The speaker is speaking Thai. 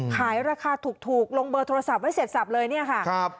ขายราคาถูกลงเบอร์โทรศัพท์ไว้เสร็จสับเลยเนี่ยค่ะ